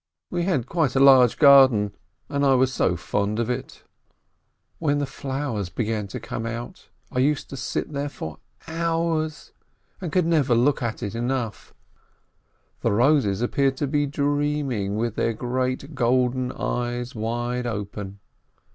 We had quite a large garden, and I was so fond of it! 370 S. LIBIN When the flowers began to come out, I used to sit there for hours, and could never look at it enough. The roses appeared to be dreaming with their great golden eyes wide open.